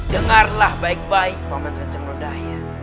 dengarlah baik baik paman santang rodai